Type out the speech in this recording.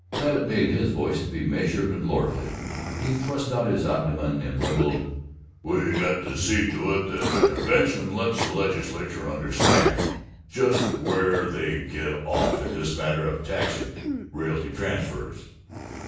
Babbitt made his voice to be measured and lordly; he thrust out his abdomen and rumbled, "We got to see to it that the convention lets the Legislature understand just where they get off in this matter of taxing realty transfers."